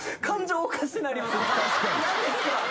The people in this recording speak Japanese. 何ですか？